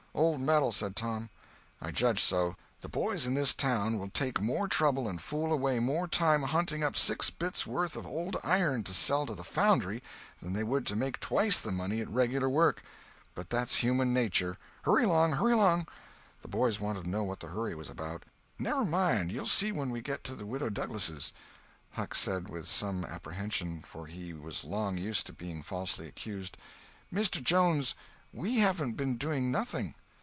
"Old metal," said Tom. "I judged so; the boys in this town will take more trouble and fool away more time hunting up six bits' worth of old iron to sell to the foundry than they would to make twice the money at regular work. But that's human nature—hurry along, hurry along!" The boys wanted to know what the hurry was about. "Never mind; you'll see, when we get to the Widow Douglas'." Huck said with some apprehension—for he was long used to being falsely accused: "Mr. Jones, we haven't been doing nothing."